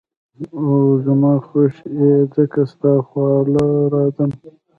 او زما خوښ ئې ځکه ستا خواله راځم ـ